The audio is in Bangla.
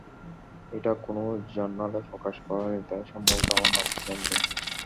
এটা কোনও জার্নালে প্রকাশ করা হয়নি তাই সম্ভবত আমার নাম শোনেননি।